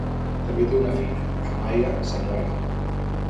També té una filla, Amaiya Samuel.